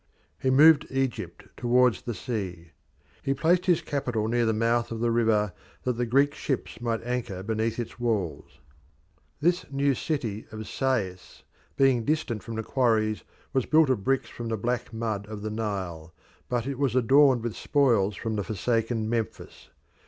He moved Egypt towards the sea. He placed his capital near the mouth of the river, that the Greek ships might anchor beneath its walls. This new city of Sais, being distant from the quarries, was built of bricks from the black mud of the Nile, but it was adorned with spoils from the forsaken Memphis.